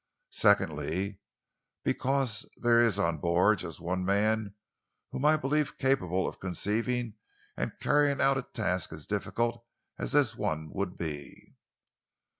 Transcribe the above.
Secondly, because there is on board just the one man whom I believe capable of conceiving and carrying out a task as difficult as this one would be."